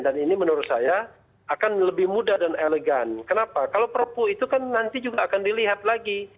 ini menurut saya akan lebih mudah dan elegan kenapa kalau perpu itu kan nanti juga akan dilihat lagi